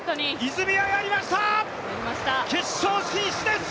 泉谷やりました、決勝進出です！